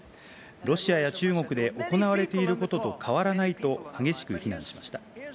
ロシアや中国で行われていることと変わらないと激しく非難しました。